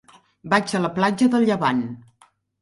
Vaig a la platja del Llevant.